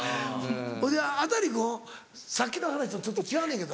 ほいで中君さっきの話とちょっと違うねんけど。